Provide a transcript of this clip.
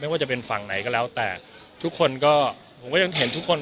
ว่าจะเป็นฝั่งไหนก็แล้วแต่ทุกคนก็ผมก็ยังเห็นทุกคน